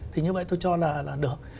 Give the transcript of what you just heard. thế như vậy tôi cho là được